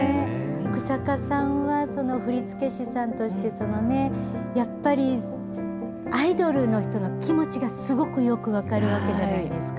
日下さんは振り付け師さんとして、そのね、やっぱりアイドルの人の気持ちがすごくよく分かるわけじゃないですか。